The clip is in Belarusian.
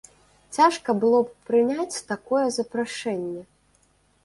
Цяжка было б прыняць такое запрашэнне.